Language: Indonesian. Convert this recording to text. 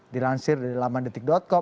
dilansir dari lamandetik com